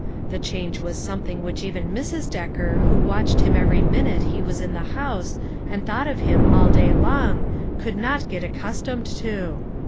The change was something which even Mrs. Decker who watched him every minute he was in the house and thought of him all day long, could not get accustomed to.